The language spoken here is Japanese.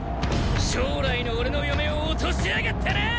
将来の俺の嫁を落としやがったな！